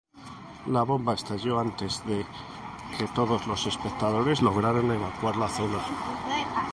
La bomba estalló antes de que todos los espectadores lograran evacuar la zona.